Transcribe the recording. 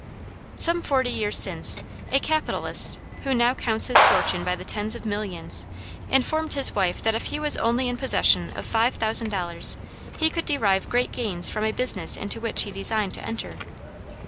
Some forty years since, a capitalist who now counts his fortune by the tens of millions, informed his wife that if he was only in possession of five thousand dollars, he could derive great gains from a business into which he designed to enter.